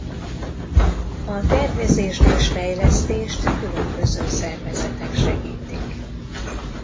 A tervezést és fejlesztést különböző szervezetek segítik.